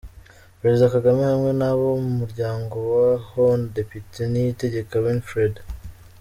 Perezida Kagame hamwe n'abo mu muryango wa Hon Depite Niyitegeka Winfred.